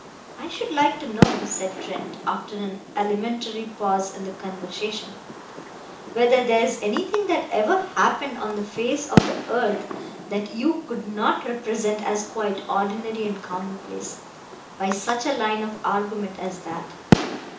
"I should like to know," said Trent after an alimentary pause in the conversation, "whether there is anything that ever happened on the face of the earth that you could not represent as quite ordinary and commonplace, by such a line of argument as that.